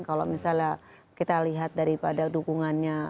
kalau misalnya kita lihat daripada dukungannya